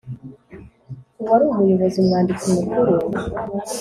uwari umuyobozi Umwanditsi Mukuru